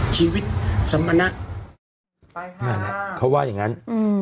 ชีวิตสมณะนั่นเขาว่าอย่างงั้น